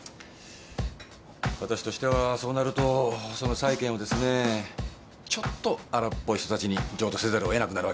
私としてはそうなるとその債権をですねちょっと荒っぽい人たちに譲渡せざるをえなくなるわけで。